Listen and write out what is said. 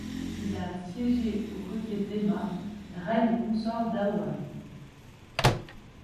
Il a siégé aux côtés d'Emma, Reine consort d'Hawaï.